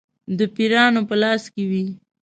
د پیرانو په لاس کې وای.